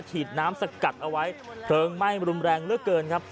ฉีดน้ำสกัดเอาไว้เพลิงไหม้รุนแรงเหลือเกินครับ